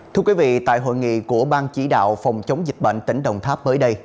thưa quý vị tại hội nghị của ban chỉ đạo phòng chống dịch bệnh tỉnh đồng tháp mới đây